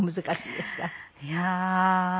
いやー。